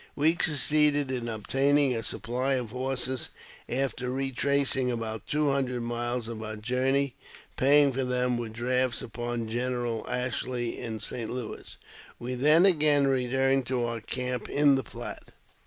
We succeeded in obtaining a supply of horses after retracing about two hundred miles of our journey, paying for them with drafts upon General Ashley in St Louis. We then again returned to our camp in the Platte.